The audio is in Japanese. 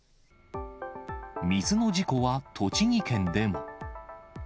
水の事故は栃木県でも。